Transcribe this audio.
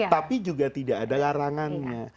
tapi juga tidak ada larangannya